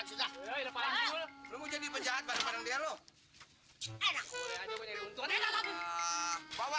he lagu lagu lu di gang dangdut lu